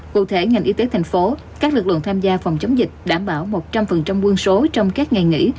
cụ thể ngành y tế thành phố các lực lượng tham gia phòng chống dịch đảm bảo một trăm linh quân số trong các ngày nghỉ